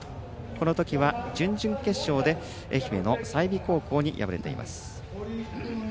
この時は準々決勝で愛媛の済美高校に敗れています。